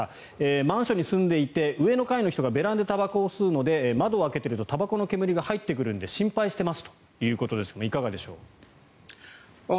マンションに住んでいて上の階の人がベランダでたばこを吸うので窓を開けているとたばこの煙が入ってくるので心配していますということですがどうでしょう。